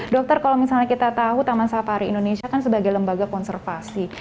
dokter kalau misalnya kita tahu taman safari indonesia kan sebagai lembaga konservasi